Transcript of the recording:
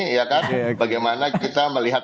iya kan bagaimana kita melihat